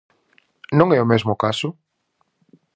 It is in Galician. Non é o mesmo caso?